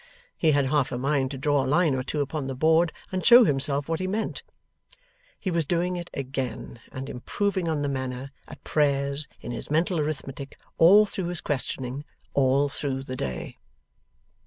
He had half a mind to draw a line or two upon the board, and show himself what he meant. He was doing it again and improving on the manner, at prayers, in his mental arithmetic, all through his questioning, all through the day.